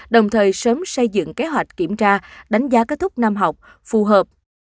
đồng thời sớm xây dựng kế hoạch kiểm tra đánh giá kết thúc năm học phù hợp